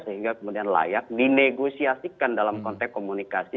sehingga kemudian layak dinegosiasikan dalam konteks komunikasi